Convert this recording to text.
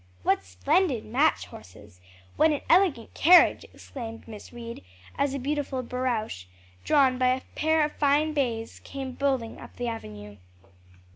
"What splendid match horses! What an elegant carriage!" exclaimed Miss Reed, as a beautiful barouche, drawn by a pair of fine bays, came bowling up the avenue.